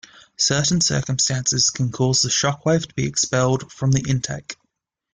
Certain circumstances can cause the shock wave to be expelled from the intake.